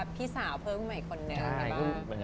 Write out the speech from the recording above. พี่สาวเผิ่มใหม่คนนั้น